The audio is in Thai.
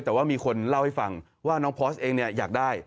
แต่ว่ามีคนเล่าให้ฟังว่าน้องพอร์สเองเนี่ยอยากได้